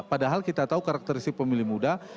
padahal kita tahu karakteristik pemilih muda